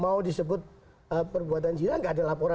mau disebut perbuatan jiran tidak ada laporan